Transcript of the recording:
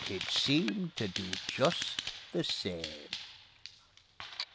_IT SEEMED TO DO JUST THE SAME.